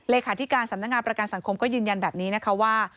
ที่การสำนักงานประกันสังคมก็ยืนยันแบบนี้นะคะว่า